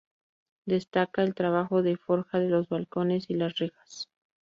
Destaca el trabajo de forja de los balcones y las rejas.